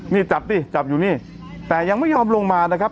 นี่จับดิจับอยู่นี่แต่ยังไม่ยอมลงมานะครับ